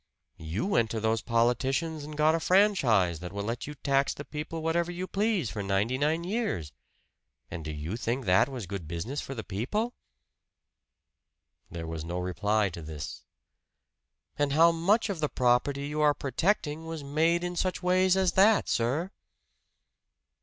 "You went to those politicians and got a franchise that will let you tax the people whatever you please for ninety nine years. And do you think that was good business for the people?" There was no reply to this. "And how much of the property you are protecting was made in such ways as that, sir?"